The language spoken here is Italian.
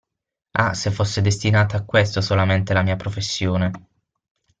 Ah, se fosse destinata a questo solamente la mia professione!